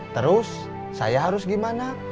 terus saya harus gimana